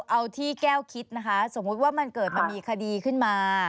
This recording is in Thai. เอาที่แก้วคิดนะคะสมมุติว่ามันเกิดมันมีคดีขึ้นมา